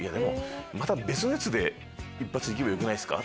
また別のやつで一発いけばよくないっすか？